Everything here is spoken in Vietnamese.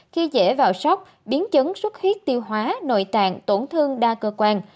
khi dễ vào sốc biến chứng xuất huyết tiêu hóa nội tạng tổn thương đa cơ quan